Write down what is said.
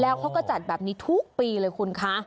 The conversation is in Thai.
แล้วเขาก็จัดแบบนี้ทุกปีเลยคุณคะ